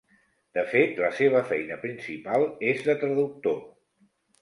De fet, la seva feina principal és de traductor.